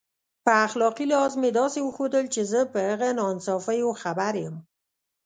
په اخلاقي لحاظ مې داسې وښودل چې زه په هغه ناانصافیو خبر یم.